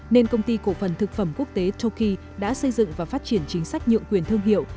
nên công ty cổ phần thực phẩm quốc tế toki đã xây dựng và phát triển chính sách nhượng quyền thương hiệu